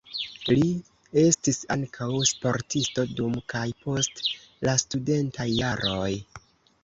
Li estis ankaŭ sportisto dum kaj post la studentaj jaroj.